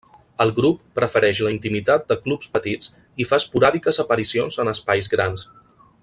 El grup prefereix la intimitat de clubs petits i fa esporàdiques aparicions en espais grans.